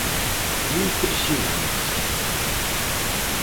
Impresionantes.